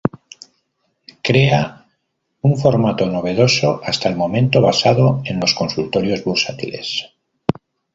Crea un formato novedoso hasta el momento basado en los consultorios bursátiles.